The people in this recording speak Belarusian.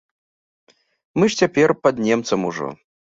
Мы ж цяпер пад немцам ужо.